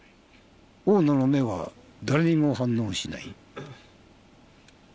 大野の目は誰にも反応しない。